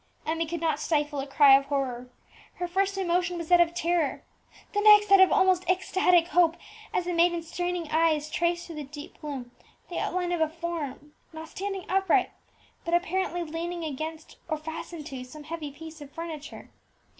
Emmie could not stifle a cry of horror. Her first emotion was that of terror, the next that of almost ecstatic hope, as the maiden's straining eyes traced through the deep gloom the outline of a form, not standing upright, but apparently leaning against or fastened to some heavy piece of furniture.